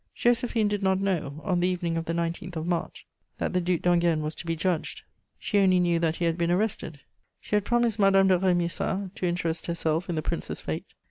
Joséphine did not know, on the evening of the 19th of March, that the Duc d'Enghien was to be judged; she only knew that he had been arrested. She had promised Madame de Rémusat to interest herself in the Prince's fate.